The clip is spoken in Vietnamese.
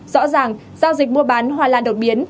rõ ràng giao dịch mua bán hoa lan đột biến